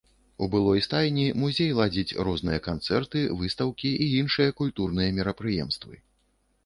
У былой стайні музей ладзіць розныя канцэрты, выстаўкі і іншыя культурныя мерапрыемствы.